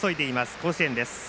甲子園です。